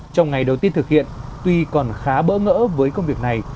trong ngày đầu tiên thực hiện tuy còn khá bỡ ngỡ với công việc này